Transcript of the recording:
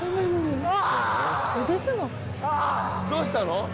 どうしたの？